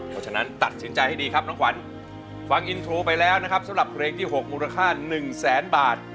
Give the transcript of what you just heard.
เพราะฉะนั้นตัดสินใจให้ดีครับน้องขวัญฟังอินโทรไปแล้วนะครับสำหรับเพลงที่๖มูลค่า๑แสนบาท